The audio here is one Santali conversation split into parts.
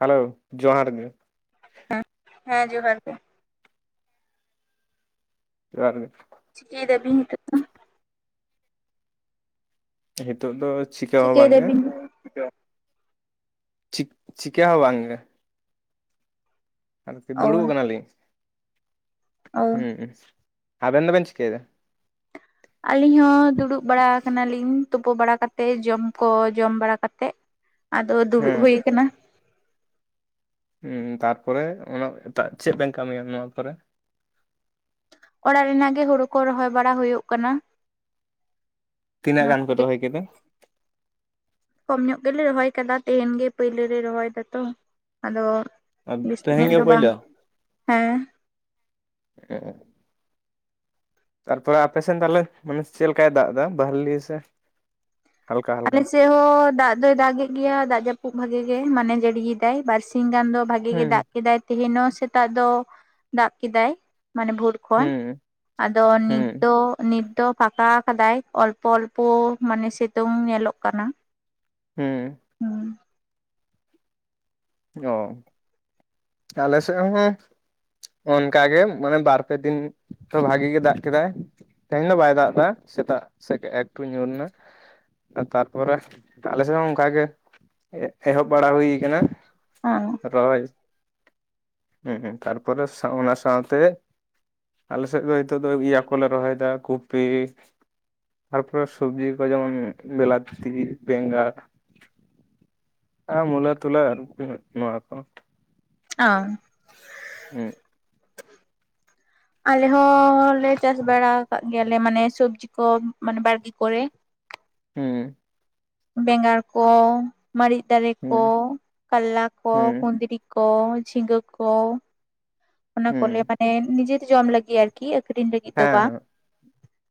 ᱦᱮᱞᱳ ᱡᱚᱦᱟᱨ ᱜᱮ ᱦᱮᱸ ᱦᱮᱸ ᱡᱚᱦᱟᱨ ᱜᱮ ᱡᱚᱦᱟᱨ ᱜᱮ ᱪᱤᱠᱟᱹᱭ ᱫᱟᱵᱤᱱ ᱱᱤᱛᱚᱜ ᱫᱚ? ᱱᱤᱛᱚᱜ ᱫᱚ ᱪᱤᱠᱟ ᱦᱚᱸ ᱪᱤᱠᱟᱹᱭ ᱵᱟᱝ ᱜᱮ᱾ ᱫᱟᱵᱤᱱ? ᱪᱤ ᱪᱤᱠᱟᱹ ᱦᱚᱸ ᱵᱟᱝ ᱜᱮ᱾ ᱟᱨ ᱠᱤ ᱚ ᱫᱩᱲᱩᱵ ᱠᱟᱱᱟᱞᱤᱧ᱾ ᱚ ᱦᱩᱸ ᱟᱵᱮᱱ ᱫᱚᱵᱮᱱ ᱪᱤᱠᱟᱹᱭ ᱫᱟ᱾ ᱟᱹᱞᱤᱧ ᱦᱚᱸ ᱫᱩᱲᱩᱵ ᱵᱟᱲᱟ ᱠᱟᱱᱟᱞᱤᱧ ᱛᱩᱯᱩ ᱵᱟᱲᱟ ᱠᱟᱛᱮᱫ ᱡᱚᱢ ᱠᱚ ᱡᱚᱢ ᱵᱟᱲᱟ ᱠᱟᱛᱮᱫ᱾ ᱟᱫᱚ ᱫᱩᱲᱩᱵ ᱦᱮᱸ ᱦᱩᱭ ᱠᱟᱱᱟ᱾ ᱦᱮᱸ ᱛᱟᱨ ᱯᱚᱨᱮ ᱚᱱᱟ ᱮᱴᱟᱜ ᱪᱮᱫ ᱵᱮᱱ ᱠᱟᱹᱢᱤᱭᱟ ᱱᱚᱣᱟ ᱠᱚᱨᱮ ᱚᱲᱟᱜ ᱨᱮᱱᱟᱜ ᱜᱮ ᱦᱩᱲᱩ ᱠᱚ ᱨᱚᱦᱚᱭ ᱵᱟᱲᱟ ᱦᱩᱭᱩᱜ ᱠᱟᱱᱟ᱾ ᱛᱤᱱᱟᱹᱜ ᱚᱱᱟ ᱜᱟᱱ ᱯᱮ ᱠᱚᱜᱮ ᱨᱚᱦᱚᱭ ᱠᱮᱫᱟ? ᱠᱚᱢ ᱧᱚᱜ ᱜᱮᱞᱮ ᱨᱚᱦᱚᱭ ᱟᱠᱟᱫᱟ ᱛᱮᱦᱮᱧ ᱜᱮ ᱯᱳᱭᱞᱟᱹ ᱞᱮ ᱨᱚᱦᱚᱭ ᱫᱟᱛᱚ ᱟᱫᱚ᱾ ᱵᱤᱥᱛᱤ ᱛᱮᱦᱮᱧ ᱧᱚᱜ ᱜᱮ ᱫᱚ ᱵᱟᱝ ᱯᱳᱭᱞᱳ ᱦᱮᱸ᱾ [unintelligible] ᱛᱟᱨᱯᱚᱨᱮ ᱟᱯᱮᱥᱱ ᱛᱟᱦᱟᱞᱮ ᱢᱟᱱᱮ ᱪᱮᱫ ᱞᱮᱠᱟᱭ ᱫᱟᱜ ᱮᱫᱟ ᱵᱟᱦᱞᱤ ᱥᱮ ᱦᱟᱞᱠᱟ ᱦᱟᱞᱠᱟ᱾ ᱦᱚ ᱫᱟᱜ ᱫᱚᱭ ᱫᱟᱜ ᱮᱫ ᱜᱮᱭᱟ ᱫᱟᱜ ᱡᱟᱹᱯᱩᱫ ᱵᱷᱟᱜᱤ ᱜᱮ ᱢᱟᱱᱮ ᱡᱟᱹᱲᱤᱭᱮᱫᱟᱭ ᱵᱟᱨᱥᱤᱧ ᱜᱟᱱ ᱫᱚ ᱵᱷᱟᱜᱼᱼ ᱵᱷᱟᱜᱮ ᱜᱮ ᱦᱩᱸ ᱫᱟᱜ ᱠᱮᱫᱟᱭ ᱛᱮᱦᱮᱧ ᱦᱚᱸ ᱥᱮᱛᱟᱜ ᱫᱚ ᱫᱟᱜ ᱠᱮᱫᱟᱭ ᱢᱟᱱᱮ ᱵᱷᱩᱨ ᱠᱷᱚᱱ ᱦᱩᱸ ᱟᱫᱚ ᱱᱤᱛ ᱦᱩᱸ ᱫᱚ ᱱᱤᱛ ᱫᱚ ᱯᱷᱟᱸᱠᱟ ᱟᱠᱟᱫᱟᱭ ᱚᱞᱯᱚ ᱚᱞᱯᱚ ᱢᱟᱱᱮ ᱥᱤᱛᱩᱝ ᱧᱮᱞᱚᱜ ᱠᱟᱱᱟ᱾ ᱦᱩᱸ ᱦᱩᱸ ᱚ ᱟᱞᱮ ᱥᱮᱫ ᱦᱚᱸ ᱚᱱᱠᱟᱜᱮ ᱢᱟᱱᱮ ᱵᱟᱨ ᱯᱮ ᱫᱤᱱ ᱵᱷᱟᱜᱤ ᱜᱮ ᱫᱟᱜ ᱠᱮᱫᱟᱭ᱾ ᱛᱮᱦᱮᱧ ᱫᱚ ᱵᱟᱭ ᱫᱟᱜ ᱫᱟ ᱥᱮᱛᱟᱜ ᱥᱮᱫ ᱮᱠᱴᱩ ᱧᱩᱨ ᱮᱱᱟ᱾ ᱛᱟᱨᱯᱚᱨᱮ ᱟᱞᱮ ᱥᱮᱫ ᱦᱚᱸ ᱚᱱᱠᱟ ᱜᱮ ᱮᱦᱚᱵ ᱵᱟᱲᱟ ᱦᱩᱭ ᱟᱠᱟᱱᱟ᱾ ᱦᱚᱸ ᱨᱚᱭ ᱦᱩᱸ ᱛᱟᱨᱯᱚᱨ ᱚᱱᱟ ᱥᱟᱶᱛᱮ ᱟᱞᱮ ᱥᱮᱫ ᱫᱚ ᱤᱭᱟᱹ ᱠᱚᱞᱮ ᱨᱚᱦᱚᱭᱮᱫᱟ ᱠᱚᱯᱤ ᱛᱟᱨᱯᱚᱨᱮ ᱥᱚᱵᱽᱡᱤ ᱠᱚ ᱡᱮᱢᱚᱱ ᱵᱤᱞᱟᱛᱤ ᱵᱮᱸᱜᱟᱲ ᱦᱮᱸ ᱢᱩᱞᱟᱹ ᱛᱩᱞᱟ ᱟᱨᱠᱤ ᱱᱚᱣᱟ ᱠᱚ᱾ ᱚ ᱦᱩᱸ [unintelligible] ᱟᱞᱮ ᱦᱚᱸᱞᱮ ᱪᱟᱥ ᱵᱟᱲᱟ ᱟᱠᱟᱫ ᱜᱮᱭᱟᱞᱮ ᱢᱟᱱᱮ ᱥᱚᱵᱽᱡᱤ ᱠᱚ ᱢᱟᱱᱮ ᱵᱟᱲᱜᱮ ᱠᱚᱨᱮ᱾ ᱦᱩᱸ ᱵᱮᱸᱜᱟᱲ ᱠᱚ ᱢᱟᱹᱨᱤᱪ ᱫᱟᱨᱮ ᱦᱩᱸ ᱠᱚ ᱠᱟᱞᱞᱟ ᱠᱚ ᱦᱩᱸ ᱠᱩᱸᱫᱽᱨᱤ ᱠᱚ ᱡᱷᱤᱸᱜᱟᱹ ᱠᱚ᱾ ᱚᱱᱟ ᱠᱚᱞᱮ ᱦᱩᱸ ᱢᱟᱱᱮ ᱱᱤᱡᱮᱛᱮ ᱡᱚᱢ ᱞᱟᱹᱜᱤᱫ ᱟᱨᱠᱤ ᱟᱹᱠᱷᱨᱤᱧ ᱞᱟᱹᱜᱤᱫ ᱫᱚ ᱵᱟᱝ ᱦᱮᱸ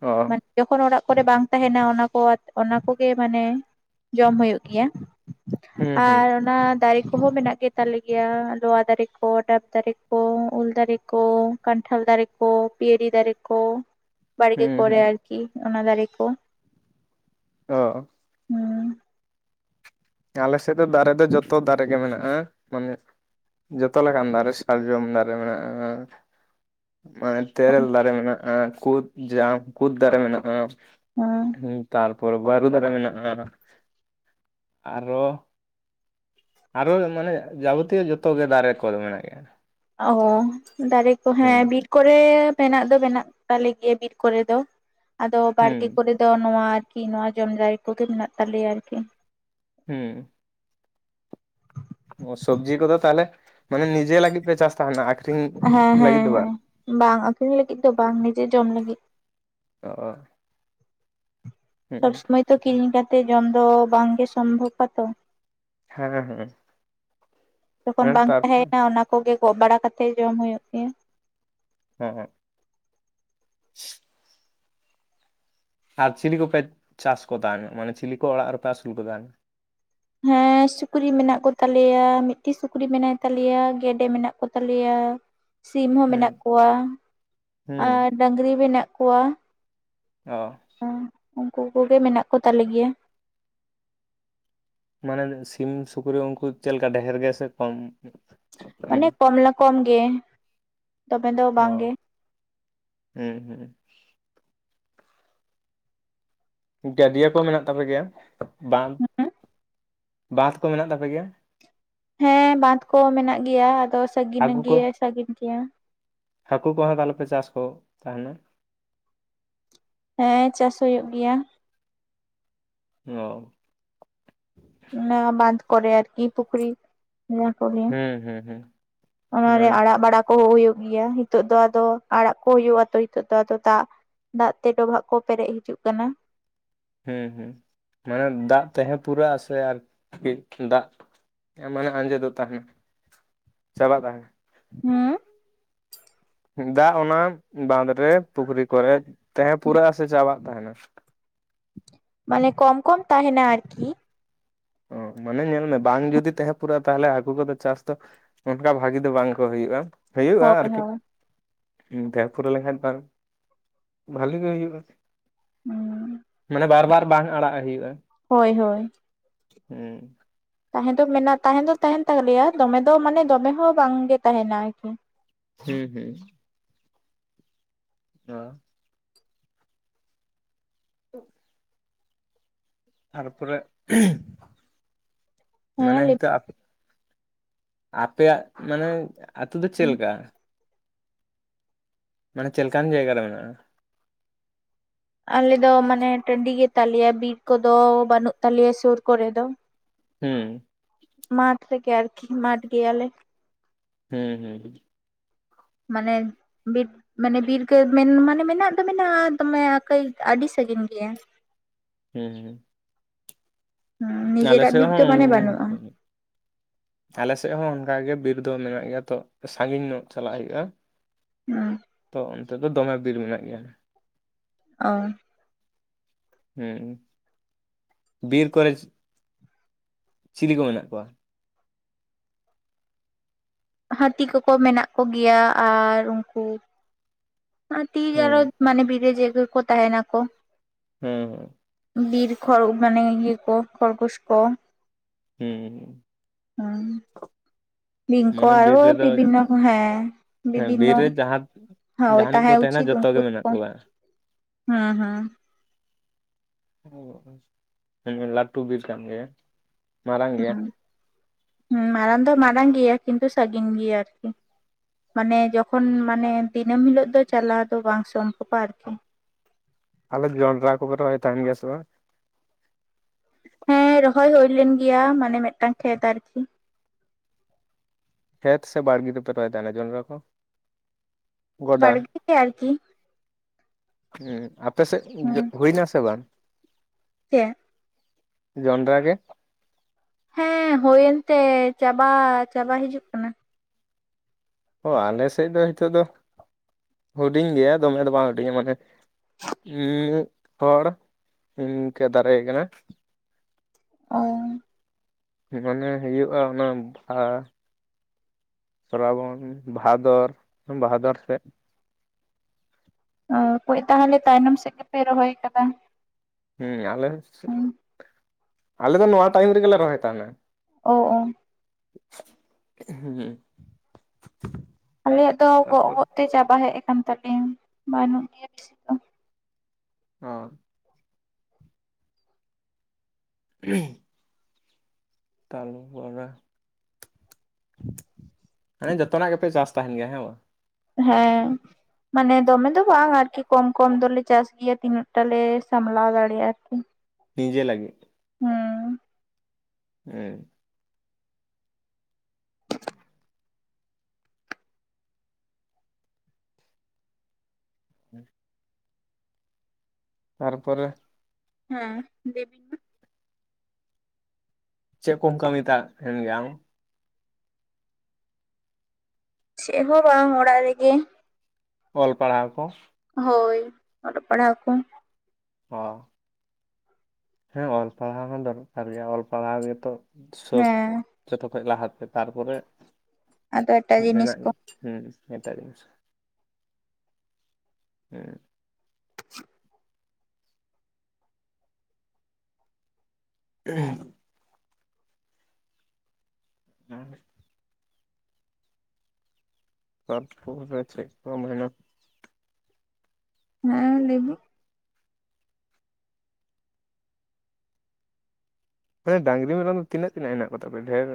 ᱚ ᱢᱟᱱᱮ ᱡᱚᱠᱷᱚᱱ ᱚᱲᱟᱜ ᱠᱚᱨᱮ ᱵᱟᱝ ᱛᱟᱦᱮᱱᱟ ᱚᱱᱟ ᱠᱚ ᱚᱱᱟ ᱠᱚᱜᱮ ᱢᱟᱱᱮ ᱡᱚᱢ ᱦᱩᱭᱩᱜ ᱜᱮᱭᱟ᱾ ᱦᱩᱸ ᱦᱩᱸ ᱟᱨ ᱚᱱᱟ ᱫᱟᱨᱮ ᱠᱚᱦᱚᱸ ᱢᱮᱱᱟᱜ ᱜᱮᱛᱟᱞᱮ ᱜᱮᱭᱟ ᱞᱚᱣᱟ ᱫᱟᱨᱮ ᱠᱚ ᱰᱟᱵᱽ ᱫᱟᱨᱮ ᱠᱚ ᱩᱞ ᱫᱟᱨᱮ ᱠᱚ ᱠᱟᱱᱴᱷᱟᱲ ᱫᱟᱨᱮ ᱠᱚ ᱯᱤᱭᱟᱹᱨᱤ ᱫᱟᱨᱮ ᱠᱚ ᱵᱟᱲᱜᱮ ᱦᱩᱸ ᱠᱚᱨᱮ ᱦᱩᱸ ᱟᱨᱠᱤ ᱚᱱᱟ ᱫᱟᱨᱮ ᱠᱚ᱾ ᱚ ᱦᱩᱸ ᱟᱞᱮ ᱥᱮᱫ ᱫᱚ ᱫᱟᱨᱮ ᱫᱚ ᱡᱚᱛᱚ ᱫᱟᱨᱮ ᱜᱮ ᱢᱮᱱᱟᱜᱼᱟ᱾ ᱢᱟᱱᱮ ᱡᱚᱛᱚ ᱞᱮᱠᱟᱱ ᱫᱟᱨᱮ ᱥᱟᱨᱡᱚᱢ ᱫᱟᱨᱮ ᱢᱮᱱᱟᱜᱼᱟ᱾ ᱢᱟᱱᱮ ᱛᱮᱨᱮᱞ ᱫᱟᱨᱮ ᱢᱮᱱᱟᱜᱼᱟ᱾ ᱠᱩᱫ ᱡᱟᱢ ᱠᱩᱫ ᱫᱟᱨᱮ ᱢᱮᱱᱟᱜᱼᱟ᱾ ᱦᱩᱸ ᱛᱟᱞᱯᱚᱨ ᱵᱟᱹᱨᱩ ᱫᱟᱨᱮ ᱢᱮᱱᱟᱜ ᱟ ᱾ ᱟᱨᱚ ᱟᱨᱚ ᱢᱟᱱᱮ ᱡᱟᱵᱚᱛᱤᱭᱚ ᱡᱚᱛᱚᱜᱮ ᱫᱟᱨᱮ ᱠᱚᱫᱚ ᱢᱮᱱᱟᱜ ᱜᱮᱭᱟ᱾ ᱟ ᱦᱚᱸ ᱫᱟᱨᱮ ᱠᱚ ᱦᱩᱸ ᱦᱮᱸ ᱵᱤᱨ ᱠᱚᱨᱮ ᱵᱮᱱᱟᱜ ᱫᱚ ᱢᱮᱱᱟᱜ ᱛᱟᱞᱮ ᱜᱮᱭᱟ ᱵᱤᱨ ᱠᱚᱨᱮ ᱫᱚ ᱟᱫᱚ ᱦᱩᱸ ᱫᱚ ᱱᱚᱣᱟ ᱟᱨᱠᱤ ᱱᱚᱣᱟ ᱡᱚᱢᱡᱟᱭ ᱠᱚᱜᱮ ᱢᱮᱱᱟᱜ ᱛᱟᱞᱮᱭᱟ ᱟᱨᱠᱤ᱾ ᱦᱩᱸ ᱥᱚᱵᱽᱡᱤ ᱠᱚᱫᱚ ᱛᱟᱦᱚᱞᱮ ᱢᱟᱱᱮ ᱱᱤᱡᱮ ᱞᱟᱹᱜᱤᱫ ᱯᱮ ᱪᱟᱥ ᱛᱟᱦᱮᱱᱟ ᱟᱠᱷᱨᱤᱧ ᱦᱮᱸ ᱦᱮᱸ ᱞᱟᱹᱜᱤᱫ ᱫᱚ ᱦᱮᱸ ᱵᱟᱝ᱾ ᱵᱟᱝ ᱟᱹᱠᱷᱨᱤᱧ ᱞᱟᱹᱜᱤᱫ ᱫᱚ ᱵᱟᱝ ᱱᱤᱡᱮ ᱡᱚᱢ ᱞᱟᱹᱜᱤᱫ᱾ ᱚ ᱦᱩᱸ ᱥᱚᱵᱽ ᱥᱩᱢᱚᱭ ᱛᱚ ᱠᱤᱨᱤᱧ ᱠᱟᱛᱮᱜ ᱡᱚᱢ ᱫᱚ ᱵᱟᱝᱜᱮ ᱥᱚᱢᱵᱷᱚᱵᱼᱟᱛᱚ᱾ ᱦᱮᱸ ᱦᱮᱸ ᱡᱚᱠᱷᱚᱱ ᱦᱮᱸ ᱵᱟᱝ ᱛᱟᱨᱯᱚᱨ ᱛᱟᱦᱮᱸᱭᱮᱱᱟ ᱚᱱᱟ ᱠᱚᱜᱮ ᱜᱚᱜ ᱵᱟᱲᱟ ᱠᱟᱛᱮᱜ ᱡᱚᱢ ᱦᱩᱭᱩᱜ ᱛᱤᱧᱟᱹ᱾ ᱦᱮᱸ ᱦᱸ [unintelligible] ᱟᱨ ᱪᱤᱞᱤ ᱠᱚᱯᱮ ᱪᱟᱥ ᱠᱚ ᱛᱟᱱ ᱢᱟᱱᱮ ᱪᱤᱞᱤ ᱠᱚ ᱚᱲᱟᱜ ᱨᱮᱯᱮ ᱟᱹᱥᱩᱞ ᱠᱚ ᱛᱟᱦᱮᱱᱟ᱾ ᱦᱮᱸ ᱥᱩᱠᱨᱤ ᱢᱮᱱᱟᱜ ᱠᱚᱛᱟᱞᱮᱭᱟ ᱢᱤᱫᱴᱤᱡ ᱥᱩᱠᱨᱤ ᱢᱮᱱᱟᱭ ᱛᱟᱞᱮᱭᱟ ᱜᱮᱰᱮ ᱢᱮᱱᱟᱜ ᱠᱚᱛᱟᱞᱮᱭᱟ᱾ ᱥᱤᱢ ᱦᱚᱸ ᱦᱩᱸ ᱢᱮᱱᱟᱜ ᱠᱚᱣᱟ ᱦᱩᱸ ᱟᱨ ᱰᱟᱝᱨᱤ ᱢᱮᱱᱟᱜ ᱠᱚᱣᱟ᱾ ᱚ ᱦᱩᱸ, ᱩᱱᱠᱩ ᱠᱚᱜᱮ ᱢᱮᱱᱟᱜ ᱠᱚ ᱛᱟᱞᱮ ᱜᱮᱭᱟ ᱾ ᱢᱟᱱᱮ ᱥᱤᱢ, ᱥᱩᱠᱨᱤ ᱩᱱᱠᱩ ᱪᱮᱫ ᱞᱮᱠᱟ ᱰᱷᱮᱨ ᱜᱮᱭᱟ ᱥᱮ ᱠᱚᱢ? ᱚᱱᱮ ᱦᱩᱸ ᱠᱚᱢᱞᱟ ᱠᱚᱢ ᱜᱮ ᱫᱚᱢᱮ ᱫᱚ ᱵᱟᱝ ᱚ ᱜᱮ ᱾ ᱦᱩᱸ ᱦᱩᱸ ᱾ ᱜᱟᱹᱰᱭᱟᱹ ᱠᱚ ᱢᱮᱱᱟᱜ ᱛᱟᱯᱮ ᱜᱮᱭᱟ, ᱵᱟᱸᱫ, ᱵᱟᱸᱫ ᱠᱚ ᱢᱮᱱᱟᱜ ᱛᱟᱯᱮ ᱜᱮᱭᱟ ᱾ ᱦᱮᱸ, ᱵᱟᱸᱫᱷ ᱠᱚ ᱢᱮᱱᱟᱜ ᱜᱮᱭᱟ ᱟᱫᱚ ᱥᱟᱹᱜᱤᱧ ᱦᱟᱹᱠᱩ ᱠᱚ ᱜᱮ ᱥᱟᱹᱜᱤᱱ ᱜᱮᱭᱟ ᱾ ᱦᱟᱹᱠᱩ ᱠᱚᱦᱚᱸ ᱛᱟᱦᱚᱞᱮ ᱯᱮ ᱪᱟᱥ ᱠᱚ ᱛᱟᱦᱮᱱᱟ? ᱦᱮᱸ, ᱪᱟᱥ ᱦᱩᱭᱩᱜ ᱜᱮᱭᱟ ᱾ ᱚ ᱾ ᱚᱱᱟ ᱵᱟᱸᱫ ᱠᱚᱨᱮ ᱟᱨᱠᱤ ᱯᱩᱠᱷᱨᱤ ᱤᱭᱟᱹ ᱠᱟᱨᱮ, ᱠᱚ ᱦᱩᱸ ᱦᱩᱸ ᱦᱩᱸ ᱚᱱᱟᱨᱮ ᱢᱟᱱᱮ ᱟᱲᱟᱜ ᱵᱟᱲᱟ ᱠᱚ ᱦᱩᱭᱩᱜ ᱜᱮᱭᱟ, ᱱᱤᱛᱚᱜ ᱫᱚ ᱟᱫᱚ ᱟᱲᱟᱜ ᱠᱚ ᱦᱩᱭᱩᱜᱼᱟ ᱛᱚ ᱱᱤᱛᱚᱜ ᱫᱚ ᱟᱫᱚ ᱫᱟᱜ ᱾ ᱫᱟᱜ ᱛᱮ ᱰᱚᱵᱷᱟᱜ ᱠᱚ ᱯᱮᱨᱮᱡ ᱦᱤᱡᱩᱜ ᱠᱟᱱᱟ ᱾ ᱦᱮᱸ ᱦᱮᱸ, ᱢᱟᱱᱮ ᱫᱟᱜ ᱛᱟᱦᱮᱸ ᱯᱩᱨᱟᱹᱜᱼᱟ ᱥᱮ ᱟᱨᱠᱤ ᱫᱟᱜ ᱢᱟᱱᱮ ᱟᱸᱡᱮᱫᱚᱜ ᱛᱟᱦᱮᱱᱟ ᱪᱟᱵᱟᱜ ᱛᱟᱦᱮᱱᱟ ᱾ ᱦᱩᱸ ᱾ ᱫᱟᱜ ᱚᱱᱟ ᱵᱟᱸᱫᱨᱮ ᱯᱩᱠᱷᱨᱤ ᱠᱚᱨᱮ ᱛᱟᱦᱮᱸ ᱯᱩᱨᱟᱹᱜ ᱟᱥᱮ ᱪᱟᱵᱟᱜ ᱛᱟᱦᱮᱱᱟ ᱾ ᱢᱟᱱᱮ ᱠᱚᱢ ᱠᱚᱢ ᱛᱟᱦᱮᱱᱟ ᱟᱨᱠᱤ ᱾ ᱚ, ᱢᱟᱱᱮ ᱧᱮᱞ ᱢᱮ ᱵᱟᱝ ᱡᱩᱫᱤ ᱛᱟᱦᱮᱸ ᱯᱩᱨᱟᱹᱜᱼᱟ ᱛᱟᱦᱚᱞᱮ ᱦᱟᱹᱠᱩ ᱠᱚᱫᱚ ᱪᱟᱥ ᱫᱚ ᱚᱱᱠᱟ ᱵᱷᱟᱹᱜᱤ ᱫᱚ ᱵᱟᱝ ᱠᱚ ᱦᱩᱭᱩᱜᱼᱟ, ᱦᱩᱭᱩᱜᱼᱟ ᱦᱳᱭ ᱟᱨᱠᱤ ᱾ ᱦᱳᱭ ᱰᱷᱮᱨ ᱯᱩᱨᱟᱹ ᱞᱮᱱᱠᱷᱟᱱ ᱵᱟᱝ ᱵᱷᱟᱞᱤ ᱜᱮ ᱦᱩᱭᱩᱜᱼᱟ ᱦᱩᱸ ᱾ ᱢᱟᱱᱮ ᱵᱟᱨ ᱵᱟᱨ ᱵᱟᱝ ᱟᱲᱟᱜ ᱦᱩᱭᱩᱜᱼᱟ ᱾ ᱦᱳᱭ ᱦᱳᱭ ᱾ ᱦᱩᱸ ᱾ ᱛᱟᱦᱮᱸ ᱫᱚ ᱢᱮᱱᱟᱜᱱᱟ ᱛᱟᱦᱮᱸ ᱫᱚ ᱛᱟᱦᱮᱱ ᱛᱟᱞᱮᱭᱟ ᱫᱚᱢᱮ ᱫᱚ ᱢᱟᱱᱮ ᱫᱚᱢᱮ ᱦᱚᱸ ᱵᱟᱝᱜᱮ ᱛᱟᱦᱮᱱᱟ ᱟᱨᱠᱤ ᱾ ᱦᱩᱸ ᱦᱩᱸ ᱾ ᱚ ᱾ [inaudible] ᱛᱟᱨᱯᱚᱨᱮ ᱦᱤᱸᱨᱻ ᱦᱮᱸ ᱢᱟᱱᱮ ᱦᱚᱭᱛᱳ ᱟᱯᱮᱭᱟᱜ ᱢᱟᱱᱮ ᱟᱛᱩ ᱫᱚ ᱪᱮᱫ ᱞᱮᱠᱟ? ᱢᱟᱱᱮ ᱪᱮᱫ ᱞᱮᱠᱟᱱ ᱡᱟᱭᱜᱟ ᱨᱮ ᱢᱮᱱᱟᱜᱼᱟ? ᱟᱞᱮ ᱫᱚ ᱢᱟᱱᱮ ᱴᱟᱺᱰᱤ ᱜᱮᱛᱟᱞᱮᱭᱟ ᱵᱤᱨ ᱠᱚᱫᱚ ᱵᱟᱹᱱᱩᱜ ᱛᱟᱞᱮᱭᱟ ᱥᱩᱨ ᱠᱚᱨᱮ ᱫᱚ ᱾ ᱦᱩᱸ ᱾ ᱢᱟᱴ ᱨᱮᱜᱮ ᱟᱨᱠᱤ ᱢᱟᱴᱷ ᱜᱮᱭᱟᱞᱮ ᱾ ᱦᱮᱸ ᱦᱮᱸ ᱦᱩᱸ ᱾ ᱢᱟᱱᱮ ᱵᱤᱨ ᱢᱟᱱᱮ ᱵᱤᱨ ᱜᱮ ᱢᱮᱱ ᱢᱟᱱᱮ ᱢᱮᱱᱟᱜ ᱫᱚ ᱢᱮᱱᱟᱜᱼᱟ ᱫᱚᱢᱮ ᱠᱟᱹᱭ ᱟᱹᱰᱤ ᱥᱟᱺᱜᱤᱧ ᱜᱮᱭᱟ ᱾ ᱦᱩᱸ ᱦᱩᱸ ᱾ ᱦᱮᱸ, ᱱᱤᱡᱮᱨᱟᱜ ᱥᱮᱫ ᱵᱩᱡ ᱫᱚ ᱦᱚᱸ ᱢᱟᱱᱮ ᱵᱟᱹᱱᱩᱜᱼᱟ ᱾ ᱟᱞᱮ ᱥᱮᱫ ᱦᱚᱸ ᱚᱱᱠᱟ ᱜᱮ ᱵᱤᱨ ᱫᱚ ᱢᱮᱱᱟᱜ ᱜᱮᱭᱟ, ᱛᱚ ᱥᱟᱺᱜᱤᱧ ᱧᱚᱜ ᱪᱟᱞᱟᱜ ᱦᱩᱭᱩᱜᱼᱟ ᱾ ᱦᱩᱸ ᱾ ᱛᱚ ᱚᱱᱛᱮ ᱫᱚᱢᱮ ᱵᱤᱨ ᱢᱮᱱᱟᱜ ᱜᱮᱭᱟ ᱾ ᱚ ᱾ ᱦᱩᱸ, ᱵᱤᱨ ᱠᱚᱨᱮ ᱪᱤᱞᱤ ᱠᱚ ᱢᱮᱱᱟᱜ ᱠᱚᱣᱟ? ᱦᱟᱹᱛᱤ ᱠᱚᱠᱚ ᱢᱮᱱᱟᱜ ᱠᱚ ᱜᱮᱭᱟ ᱟᱨ ᱩᱱᱠᱩ ᱛᱤᱨ ᱟᱨᱚ ᱦᱩᱸ ᱢᱟᱱᱮ ᱵᱤᱨ ᱨᱮ ᱡᱮ ᱠᱚ ᱛᱟᱦᱮᱱᱟ ᱠᱚ ᱾ ᱦᱮᱸ ᱦᱮᱸ᱾ ᱵᱤᱨ ᱠᱷᱚᱲ ᱢᱟᱱᱮ ᱤᱭᱟᱹ ᱠᱚ ᱠᱷᱚᱨᱜᱳᱥ ᱠᱚ ᱾ ᱦᱮᱸ ᱾ ᱚᱸ ᱵᱤᱝᱠᱚ ᱢᱟᱱᱮ ᱵᱤᱨ ᱟᱨᱚ ᱨᱮᱫᱚ ᱵᱤᱵᱤᱱᱱᱚ ᱠᱚ ᱦᱮᱸ ᱦᱮᱸ ᱵᱤᱨ ᱵᱤᱵᱤᱱᱱᱚ ᱨᱮ ᱡᱟᱦᱟᱸ ᱦᱳᱭ ᱡᱟᱦᱟᱱᱤᱡ ᱠᱚ ᱛᱟᱦᱮ ᱛᱟᱦᱮᱱᱟ ᱩᱪᱤᱛ ᱡᱚᱛᱚ ᱩᱱᱠᱩ ᱜᱮ ᱢᱮᱱᱟᱜ ᱠᱚ ᱠᱚᱣᱟ ᱦᱩᱸ ᱦᱩᱸ ᱩᱸ ᱞᱟᱴᱩ ᱵᱤᱨ ᱠᱟᱱ ᱜᱮᱭᱟ ᱢᱟᱨᱟᱝ ᱜᱮᱭᱟ ᱦᱩᱸ ᱦᱩᱸ ᱢᱟᱨᱟᱝ ᱫᱚ ᱢᱟᱨᱟᱝ ᱜᱮᱭᱟ ᱠᱤᱱᱛᱩ ᱥᱟᱹᱜᱤᱱ ᱜᱮᱭᱟ ᱟᱨᱠᱤ ᱢᱟᱱᱮ ᱡᱚᱠᱷᱚᱱ ᱢᱟᱱᱮ ᱫᱤᱱᱟᱹᱢ ᱦᱤᱞᱳᱜ ᱫᱚ ᱪᱟᱞᱟᱣ ᱫᱚ ᱵᱟᱝ ᱥᱚᱢᱵᱷᱚᱵᱼᱟ ᱟᱨᱠᱤ ᱟᱞᱮ ᱡᱚᱱᱰᱨᱟ ᱠᱚᱯᱮ ᱨᱚᱭ ᱛᱟᱦᱮᱱ ᱜᱮᱭᱟ ᱥᱮ ᱵᱟᱝ ᱦᱮᱸ ᱨᱚᱦᱚᱭ ᱦᱳᱭ ᱞᱮᱱ ᱜᱮᱭᱟ ᱢᱟᱱᱮ ᱢᱮᱫᱴᱟᱝ ᱠᱷᱮᱛ ᱟᱨᱠᱤ ᱠᱷᱮᱛ ᱥᱮ ᱵᱟᱲᱜᱮ ᱯᱮ ᱨᱟᱭ ᱫᱟ ᱚᱱᱟ ᱡᱚᱱᱨᱟ ᱠᱚ ᱜᱚᱰᱟ ᱵᱟᱲᱜᱮ ᱨᱮ ᱟᱨᱠᱤ ᱩᱸ ᱟᱯᱮ ᱥᱮᱫ ᱦᱩᱭᱱᱟ ᱥᱮ ᱵᱟᱝ ᱪᱮ ᱡᱚᱱᱰᱨᱟ ᱜᱮ ᱦᱮᱸ ᱦᱳᱭᱮᱱ ᱛᱮ ᱪᱟᱵᱟ ᱪᱟᱵᱟ ᱦᱤᱡᱩᱜ ᱠᱟᱱᱟ ᱚ ᱟᱞᱮ ᱥᱮᱫ ᱫᱚ ᱦᱤᱸᱛᱚᱜ ᱫᱚ ᱦᱩᱰᱤᱧ ᱜᱮᱭᱟ ᱫᱚᱢᱮ ᱫᱚ ᱵᱟᱝ ᱦᱩᱰᱤᱧᱟ ᱢᱟᱱᱮ ᱩᱸ ᱢᱤᱫ ᱦᱚᱲ ᱤᱱᱠᱟᱹ ᱫᱟᱨᱮ ᱠᱟᱱᱟ ᱚ ᱢᱟᱱᱮ ᱦᱩᱭᱩᱜᱼᱟ ᱚᱱᱟ ᱵᱷᱟ ᱥᱨᱟᱵᱚᱱ ᱵᱷᱟᱫᱚᱨ ᱵᱟᱦᱟᱫᱚᱨ ᱥᱮᱫ ᱚ ᱠᱳᱡ ᱛᱟᱦᱚᱞᱮ ᱛᱟᱭᱱᱚᱢ ᱥᱮᱫ ᱜᱮᱯᱮ ᱨᱚᱦᱚᱭ ᱟᱠᱟᱫᱟ ᱦᱮᱸ ᱟᱞᱮ ᱥᱮ ᱟᱞᱮ ᱫᱚ ᱱᱚᱣᱟ ᱴᱟᱭᱤᱢ ᱨᱮᱜᱮᱞᱮ ᱨᱚᱦᱚᱭ ᱛᱟᱸᱦᱮᱱᱟ ᱳᱜ ᱳ ᱦᱩᱸ ᱟᱞᱮᱭᱟᱜ ᱫᱚ ᱜᱚᱜ ᱛᱟᱨᱯᱚᱨ ᱜᱚᱜ ᱛᱮ ᱪᱟᱵᱟ ᱦᱮᱜ ᱟᱠᱟᱱ ᱛᱟᱞᱮᱭᱟ ᱵᱟᱹᱱᱩᱜ ᱜᱮᱭᱟ ᱵᱮᱥᱤ ᱫᱚ ᱚ [unintelligible] ᱛᱟᱞᱩ [unintelligible] ᱦᱟᱱᱮ ᱡᱚᱛᱚᱱᱟᱜ ᱜᱮᱯᱮ ᱪᱟᱥ ᱛᱟᱸᱦᱮᱱ ᱜᱮᱭᱟ ᱦᱮᱸ ᱵᱟᱝ ᱦᱮᱸ ᱢᱟᱱᱮ ᱫᱚᱢᱮ ᱫᱚ ᱵᱟᱝ ᱟᱨᱠᱤ ᱠᱚᱢ ᱠᱚᱢ ᱫᱚᱞᱮ ᱪᱟᱥ ᱜᱮᱭᱟ ᱛᱤᱱᱟᱹᱜ ᱴᱟᱞᱮ ᱥᱟᱢᱞᱟᱣ ᱫᱟᱲᱮᱭᱟᱜ ᱟᱨᱠᱤ ᱱᱤᱡᱮ ᱞᱟᱜᱤᱜ ᱦᱮᱸ ᱩᱸ [inaudible] ᱛᱟᱨᱯᱚᱨᱮ ᱦᱮᱸ ᱫᱮᱵᱤ ᱪᱮᱫ ᱠᱚᱢ ᱠᱟᱹᱢᱤ ᱛᱟᱜ ᱮᱱ ᱜᱮ ᱟᱢ ᱪᱮᱜ ᱦᱚᱸ ᱵᱟᱝ ᱚᱲᱟᱜ ᱨᱮᱜᱮ ᱚᱞ ᱯᱟᱲᱦᱟᱣ ᱠᱚ? ᱦᱳᱭ ᱚᱞᱚᱜ ᱯᱟᱲᱦᱟᱣ ᱠᱚ᱾ ᱚ ᱦᱮᱸ ᱚᱞ ᱯᱟᱲᱦᱟᱣ ᱦᱚᱸ ᱫᱚᱨᱠᱟᱨ ᱜᱮᱭᱟ ᱚᱞ ᱯᱟᱲᱦᱟᱣ ᱜᱮᱛᱚ ᱥᱚᱵ ᱦᱮᱸ ᱡᱚᱛᱚ ᱠᱷᱚᱡ ᱞᱟᱦᱟᱛᱮ ᱛᱟᱨᱯᱚᱨᱮ, ᱟᱫᱚ ᱮᱴᱟᱜ ᱡᱤᱱᱤᱥ ᱢᱮᱱᱟᱜ ᱜᱮ ᱠᱚ ᱦᱩᱸ ᱮᱴᱟᱜ ᱡᱤᱱᱤᱥ ᱦᱮᱸ ᱦᱮᱸ ᱩᱸ ᱛᱟᱨ ᱯᱚᱨᱮ ᱪᱮᱜ ᱠᱚ ᱢᱮᱱᱟ? ᱦᱮᱸ ᱞᱟᱹᱭᱵᱤᱱ ᱢᱟᱱᱮ ᱰᱟᱝᱨᱤ ᱢᱮᱨᱚᱢ ᱫᱚ ᱛᱤᱱᱟᱹᱜ ᱛᱱᱟᱹᱜ ᱮᱱᱟᱜ ᱠᱚ ᱛᱟᱯᱮ? ᱰᱷᱹᱮᱨ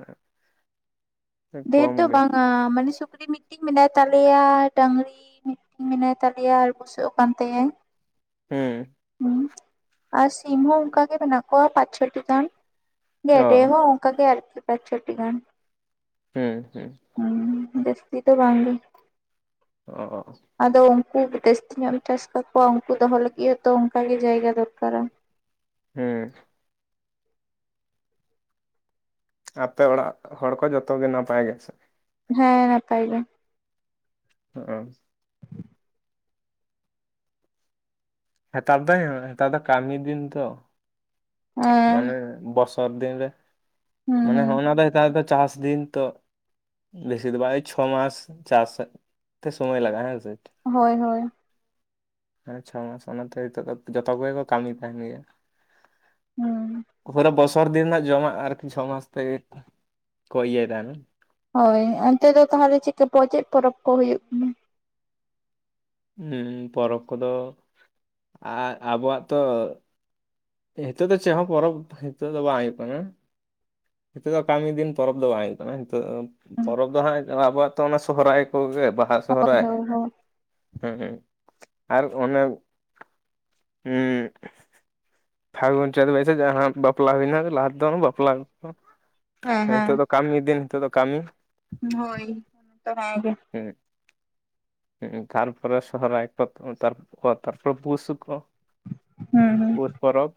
ᱰᱷᱮᱨ ᱫᱚ ᱵᱟᱝᱟ ᱢᱟᱱᱮ ᱥᱩᱠᱨᱤ ᱢᱤᱫᱴᱤᱡ ᱢᱮᱱᱟᱭ ᱛᱟᱞᱮᱭᱟ ᱰᱟᱹᱝᱨᱤ ᱢᱤᱫᱴᱮᱱ ᱢᱮᱱᱟᱭ ᱛᱟᱞᱮᱭᱟ ᱟᱨ ᱵᱩᱡᱟᱹᱜ ᱠᱟᱱ ᱛᱟᱭᱧ [unintelligible] ᱦᱩᱸ᱾ ᱦᱩ ᱟᱨ ᱥᱤᱢ ᱦᱚᱸ ᱚᱱᱠᱟ ᱜᱮ ᱢᱮᱱᱟᱜ ᱠᱚᱣᱟ ᱯᱟᱸᱪ ᱪᱷᱚᱴᱤ ᱜᱟᱱ ᱚ ᱜᱰᱮ ᱦᱚᱸᱚᱱᱠᱟ ᱜᱮ ᱟᱨᱠ ᱯᱟ ᱪᱷᱚᱴᱤ ᱜᱟᱱ᱾ ᱦᱮᱸ ᱦᱮᱸ ᱦᱩᱸ ᱡᱟᱥᱛᱤ ᱫᱚ ᱵᱟᱝ ᱜᱮ ᱚ ᱟᱫᱚ ᱩᱱᱠᱩ ᱡᱟᱹᱥᱛᱤ ᱧᱚᱜ ᱮᱢ ᱪᱟᱥ ᱠᱟᱠᱚᱣᱟ ᱩᱱᱠᱩ ᱫᱚᱦᱚ ᱞᱟᱹᱜᱤᱫ ᱦᱚᱸᱛᱚ ᱚᱱᱠᱟ ᱜᱮ ᱡᱟᱭᱜᱟ ᱫᱚᱨᱠᱟᱨᱟ᱾ ᱦᱮᱸ ᱟᱯᱮ ᱚᱲᱟᱜ ᱦᱚᱲ ᱠᱚ ᱡᱚᱛᱚ ᱜᱮ ᱱᱟᱯᱟᱭ ᱜᱮ ᱥᱮ? ᱦᱮᱸ ᱱᱟᱯᱟᱭ ᱜᱮ᱾ ᱦᱚ ᱦᱮᱛᱟᱨ ᱫᱚᱮᱛᱟᱨ ᱫᱚ ᱠᱟᱹᱢᱤ ᱫᱤᱱ ᱛᱚ ᱦᱮᱸ ᱢᱟᱱᱮ ᱵᱚᱥᱚᱨ ᱫᱤᱱᱨᱮ ᱦᱩᱸ ᱢᱟᱱᱮ ᱦᱩᱸ ᱡᱚᱜᱚ [unintelligible] ᱱᱚᱣᱟ ᱫᱚ ᱪᱟᱥ ᱫᱤᱱ ᱛᱚ ᱵᱮᱥᱤ ᱫᱚ ᱵᱟᱝᱲ ᱪᱷᱚ ᱢᱟᱥ ᱪᱟᱥ ᱛᱮ ᱥᱚᱢᱚᱭ ᱞᱟᱜᱟᱜ ᱦᱮᱥᱮ᱾ ᱦᱳᱭ ᱦᱳᱭ ᱢᱟᱱᱮ ᱪᱷᱚ ᱢᱟᱥ ᱚᱱᱟᱛᱮ ᱱᱤᱛᱚᱜ ᱫᱚ ᱡᱚᱛᱚ ᱠᱚᱜᱮ ᱠᱚ ᱠᱟᱹᱢᱤ ᱛᱟᱦᱮᱱ ᱜᱮᱭᱟ᱾ ᱦᱩᱸ ᱯᱩᱨᱟᱹ ᱵᱚᱥᱚᱨ ᱫᱤᱱ ᱨᱮᱱᱟᱜ ᱡᱚᱢᱟᱜ ᱟᱨᱠᱤ ᱪᱷᱚ ᱢᱟᱥ ᱛᱮ ᱠᱚ ᱤᱭᱟᱹᱭ ᱛᱟᱦᱮᱱ-ᱟ ᱦᱳᱭ ᱚᱱᱛᱮ ᱫᱚ ᱛᱟᱦᱚᱞᱮ ᱪᱮᱫᱠᱟ ᱯᱪᱮᱫ ᱯᱚᱨᱚᱵᱽ ᱠᱚ ᱦᱩᱭᱩᱜ ᱠᱟᱱᱟ? ᱯᱚᱨᱚᱵᱽ ᱠᱚᱫᱚ ᱟᱨ ᱟᱵᱚᱣᱟᱜ ᱛᱚ? ᱱᱤᱛᱚᱜ ᱫᱚ ᱪᱮᱫ ᱦᱚᱸ ᱯᱚᱨᱚᱵ ᱦᱤᱛᱚᱜ ᱫᱚ ᱵᱟᱝ ᱦᱩᱭᱩᱜ ᱠᱟᱱᱟ᱾ ᱱᱤᱛᱚᱜ ᱫᱚ ᱠᱟᱹᱢᱤ ᱫᱤᱱ ᱯᱚᱨᱚᱵᱽ ᱫᱚ ᱵᱟᱝ ᱦᱩᱭᱩᱜ ᱠᱟᱱᱟ ᱱᱤᱛᱚᱜ ᱯᱚᱨᱚᱵᱽ ᱫᱚ ᱦᱟᱸᱜ ᱠᱟᱱᱟ ᱟᱵᱚᱣᱟᱜ ᱛᱚ ᱚᱱᱟ ᱥᱚᱦᱚᱨᱟᱭ ᱠᱚᱜᱮ ᱵᱟᱦᱟ, ᱦᱳᱭ ᱥᱚᱦᱚᱨᱟᱭ ᱦᱳᱭ ᱦᱳᱭ ᱦᱮᱸ ᱦᱮᱸ ᱟᱨ ᱚᱱᱟ ᱦᱸ ᱯᱷᱟᱜᱩᱱ, ᱪᱟᱹᱮᱫ, ᱵᱟᱭᱥ ᱡᱟᱦᱟᱸ ᱵᱟᱯᱞᱟ ᱦᱩᱭᱱᱟ ᱞᱫ ᱫᱚ ᱵᱟᱯᱞᱟ ᱦᱮᱸ ᱦᱮᱸ ᱠᱟᱹᱢᱤ ᱫᱤᱱ ᱱᱤᱛᱚᱜ ᱫᱚ ᱠᱟᱹᱢᱤ ᱦᱳᱭ ᱛᱟᱸᱦᱮ ᱜᱮ ᱦᱮᱸ ᱦ ᱛᱟᱨᱯᱚᱨᱮ ᱥᱚᱦᱚᱨᱟᱭ ᱠᱚ ᱯᱚᱛᱚ ᱠᱚ ᱛᱟᱨᱯᱚᱨᱮ ᱵᱩ ᱥᱩᱠᱚ ᱦᱩᱸ ᱦᱩᱸ ᱯᱳᱥ ᱯᱚᱨᱚᱵᱽ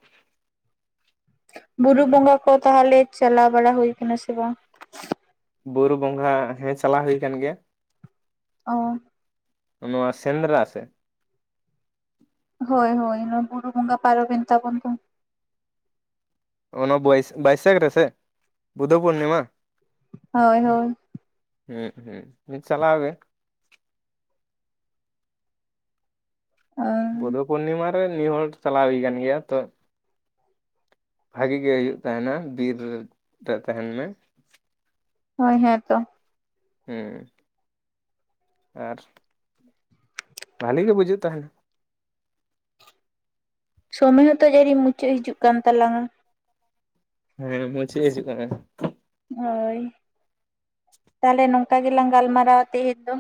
ᱵᱩᱨᱩ ᱵᱚᱸᱜᱟ ᱠᱚ ᱛᱟᱦᱚᱞᱮ ᱪᱟᱞᱟᱣ ᱵᱟᱲᱟ ᱦᱩᱭ ᱟᱠᱟᱱᱟ ᱥᱮ ᱵᱟᱝ ᱵᱩᱨᱩ ᱵᱚᱸᱜᱟ ᱦᱮᱸ ᱪᱟᱞᱟᱣ ᱦᱩᱭ ᱟᱠᱟᱱ ᱜᱮᱭᱟ ᱚ ᱱᱚᱣᱟ ᱥᱮᱸᱫᱽᱨᱟ ᱥᱮᱫ ᱦᱳᱭ ᱦᱳᱭ ᱱᱚᱣᱟ ᱵᱩᱨᱩ ᱵᱚᱸᱜᱟ ᱯᱟᱨᱚᱢᱮᱱ ᱛᱟᱵᱚᱱ ᱛᱚ ᱚᱱᱟ ᱵᱟᱭ ᱵᱟᱭᱥᱟᱹᱠ ᱨᱮᱥᱮ ᱵᱩᱫᱫᱷᱚ ᱯᱩᱨᱱᱤᱢᱟ ᱦᱳᱭ ᱦᱳᱭ ᱦᱮᱸ ᱦᱩᱸ ᱪᱟᱞᱟᱣ ᱜᱮ ᱚᱸᱻ ᱵᱚᱫᱫᱷᱚ ᱯᱩᱨᱱᱤᱢᱟ ᱨᱮ ᱱᱤᱭᱟᱹ ᱦᱚᱲ ᱪᱟᱞᱟᱣ ᱦᱩᱭ ᱟᱠᱟᱱ ᱜᱮᱭᱟ ᱛᱚ ᱵᱷᱟᱜᱮ ᱜᱮ ᱦᱩᱭᱩᱜ ᱛᱟᱦᱮᱱᱟ ᱵᱤᱨ ᱨᱮ ᱛᱟᱦᱮᱱ ᱢᱮ ᱦᱳᱭ ᱦᱮᱸ ᱛᱚ ᱦᱩᱸ ᱟᱨ ᱵᱷᱟᱞᱤ ᱜᱮ ᱵᱩᱡᱷᱟᱹᱜ ᱛᱟᱦᱮᱱᱟ ᱥᱚᱢᱚᱭ ᱦᱚᱸᱛᱚ ᱡᱟᱱᱤᱢ ᱢᱩᱪᱟᱹᱫ ᱦᱤᱡᱩᱜ ᱠᱟᱱ ᱛᱟᱞᱟᱝᱟ ᱦᱮᱸ ᱢᱩᱪᱟᱹᱫ ᱦᱤᱡᱩᱜ ᱠᱟᱱᱟ ᱦᱳᱭ ᱛᱟᱦᱞᱮ ᱱᱚᱝᱠᱟ ᱜᱮᱞᱟᱝ ᱜᱟᱞᱢᱟᱨᱟᱣᱟ ᱛᱮᱦᱮᱧ ᱫᱚ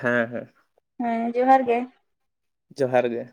ᱦᱮᱸ ᱦᱮᱸ ᱦᱮᱸ ᱡᱚᱦᱟᱨ ᱜᱮ ᱡᱚᱦᱟᱨ ᱜᱮ